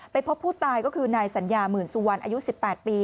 พบผู้ตายก็คือนายสัญญาหมื่นสุวรรณอายุ๑๘ปี